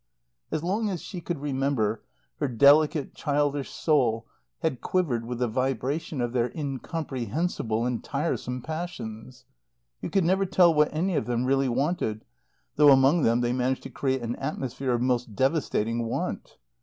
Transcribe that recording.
As long as she could remember, her delicate, childish soul had quivered with the vibration of their incomprehensible and tiresome passions. You could never tell what any of them really wanted, though among them they managed to create an atmosphere of most devastating want.